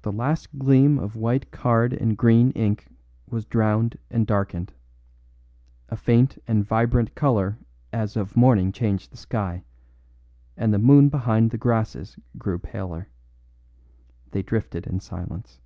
The last gleam of white card and green ink was drowned and darkened; a faint and vibrant colour as of morning changed the sky, and the moon behind the grasses grew paler. They drifted in silence.